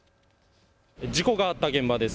事故があった現場です。